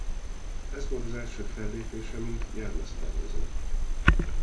Ez volt az első fellépése mint jelmeztervező.